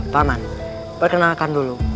pak man perkenalkan dulu